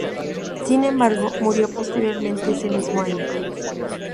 Sin embargo, murió posteriormente ese mismo año.